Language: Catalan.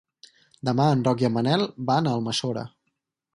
Demà en Roc i en Manel van a Almassora.